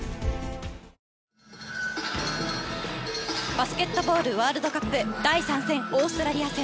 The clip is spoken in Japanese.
バスケットボールワールドカップ第３戦オーストラリア戦。